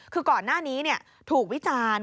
คือก่อนหน้านี้ถูกวิจารณ์